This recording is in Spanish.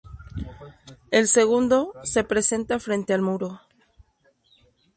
El segundo, se presenta frente al muro.